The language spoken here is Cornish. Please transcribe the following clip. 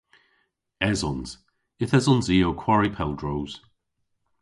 Esons. Yth esons i ow kwari pel droos.